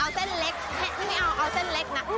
เอาเส้นเล็กที่ไม่เอาเอาเส้นเล็กนะ